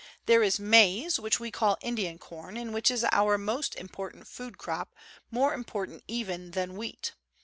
There is maize, which we call Indian corn and which is our most important food crop, more im portant even than wheat.